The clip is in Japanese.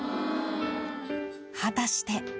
果たして。